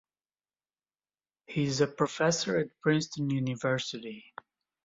He is a professor at Princeton University.